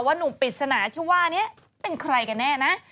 หนุ่มปริศนาที่ว่านี้เป็นใครกันแน่นะ